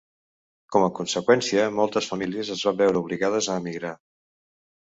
Com a conseqüència, moltes famílies es van veure obligades a emigrar.